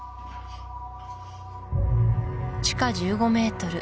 地下１５ｍ